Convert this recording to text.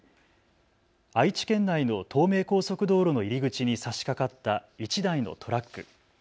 愛知県内の東名高速道路の入り口にさしかかった１台のトラック。